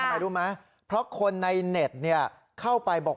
ทำไมรู้มั้ยเพราะคนในเน็ตเนี่ยเข้าไปบอก